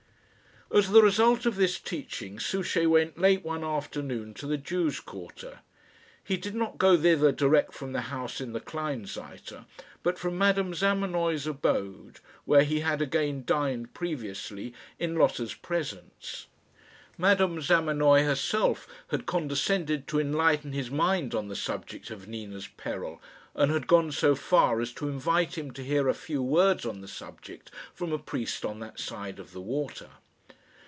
As the result of this teaching, Souchey went late one afternoon to the Jews' quarter. He did not go thither direct from the house in the Kleinseite, but from Madame Zamenoy's abode, where he had again dined previously in Lotta's presence. Madame Zamenoy herself had condescended to enlighten his mind on the subject of Nina's peril, and had gone so far as to invite him to hear a few words on the subject from a priest on that side of the water.